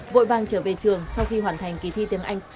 vội vàng trở về trường sau khi hoàn thành kỳ thi tiếng anh